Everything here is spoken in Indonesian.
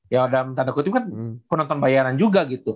ya dalam tanda kutip kan penonton bayaran juga gitu